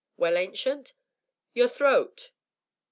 "Well, Ancient?" "Your throat